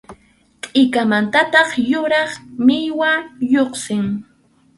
Tʼikanmantataq yuraq millwa lluqsin.